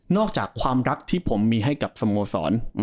อกจากความรักที่ผมมีให้กับสโมสร